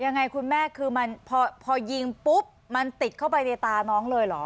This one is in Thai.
ยังไงคุณแม่คือมันพอยิงปุ๊บมันติดเข้าไปในตาน้องเลยเหรอ